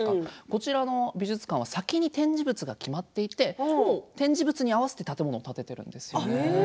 こちらの美術館は先に展示物が決まっていて展示物に合わせて建物を建てているんですよね。